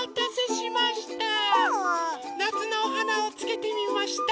なつのおはなをつけてみました。